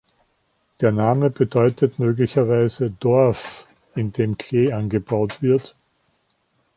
Der Name bedeutet möglicherweise „Dorf, in dem Klee angebaut wird“.